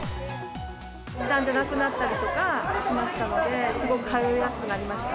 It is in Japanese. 時短じゃなくなったりとかしたので、すごく通いやすくなりました。